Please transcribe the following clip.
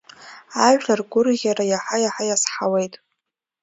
Ажәлар ргәырӷьара иаҳа-иаҳа иазҳауеит.